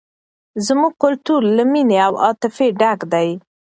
زموږ کلتور له مینې او عاطفې ډک دی.